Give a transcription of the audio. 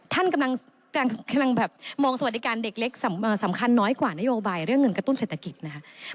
ท่านกำลังแบบมองสวัสดิการเด็กเล็กสำคัญน้อยกว่านโยบายเรื่องเงินกระตุ้นเศรษฐกิจนะคะ